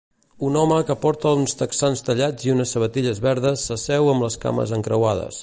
Un home que porta uns texans tallats i unes sabatilles verdes s'asseu amb les cames encreuades.